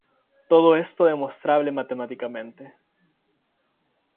Todo esto demostrable matemáticamente.